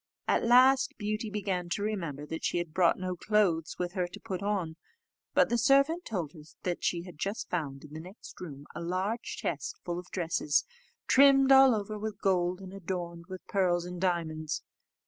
At last Beauty began to remember that she had brought no clothes with her to put on; but the servant told her she had just found in the next room a large chest full of dresses, trimmed all over with gold, and adorned with pearls and diamonds.